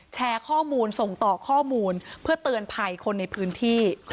แชร์ข้อมูลส่งต่อข้อมูลเพื่อเตือนภัยคนในพื้นที่